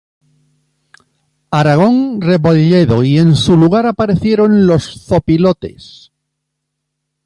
Aragón Rebolledo y en su lugar aparecieron los "los zopilotes".